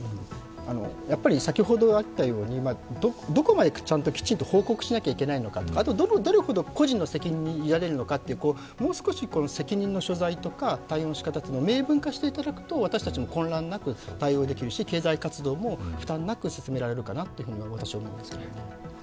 先ほどあったように、どこまでちゃんときちんと報告しなきゃいけないのか、どれほど個人の責任に委ねるのかという、もう少し責任の所在とか対応の仕方を明文化していただくと、我々も混乱なく対応できるし、経済対応も負担なく進められるかなと思います。